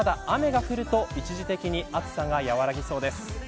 ただ、雨が降ると一時的に暑さが和らぎそうです。